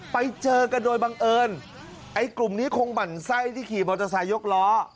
ไปเจอกันโดยบังเอิญไอ้กลุ่มนี้คงหมั่นไส้ที่ขี่มอเตอร์ไซค์ยกล้อ